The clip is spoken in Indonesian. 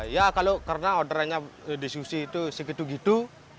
ya kalau karena orderannya di susi itu segitu gitu